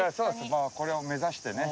これを目指してね。